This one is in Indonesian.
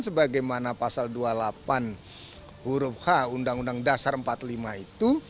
sebagaimana pasal dua puluh delapan huruf h undang undang dasar empat puluh lima itu